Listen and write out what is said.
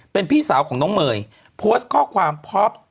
เป็นพี่สาวของน้องเมย์โพสต์ข้อความพ็อป